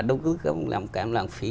đầu tư công làm kém lạng phí